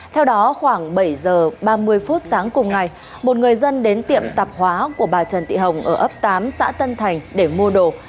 theo đó khoảng bảy giờ ba mươi phút sáng cùng ngày một người dân đến tiệm tạp hóa của bà trần thị hồng ở ấp tám xã tân thành để mua đồ